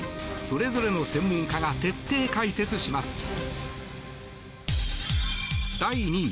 それぞれの専門家が徹底解説します。